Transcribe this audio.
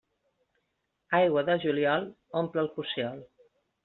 Aigua de juliol omple el cossiol.